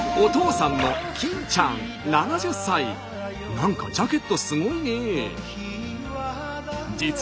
何かジャケットすごいね。